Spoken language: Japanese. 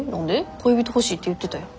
恋人欲しいって言ってたやん。